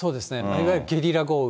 いわゆるゲリラ豪雨。